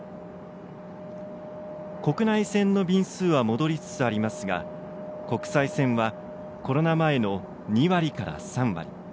国内線の便数は戻りつつありますが国際線はコロナ前の２割から３割。